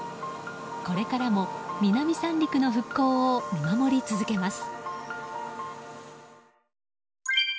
これからも南三陸の復興を見守り続けます。